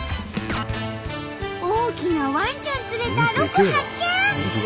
大きなワンちゃん連れたロコ発見！